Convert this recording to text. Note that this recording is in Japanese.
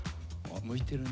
むいてるね。